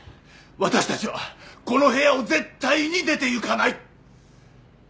私たちはこの部屋を絶対に出ていかない！